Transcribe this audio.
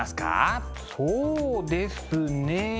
そうですね。